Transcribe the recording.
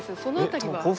その辺りは。